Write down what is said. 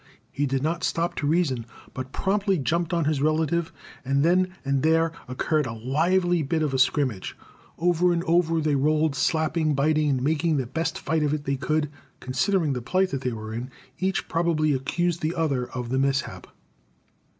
He did not stop to reason, but promptly jumped on his relative, and then and there occurred a lively bit of a scrimmage. Over and over they rolled, slapping, biting, and making the best fight of it they could, considering the plight they were in. Each probably accused the other of the mishap.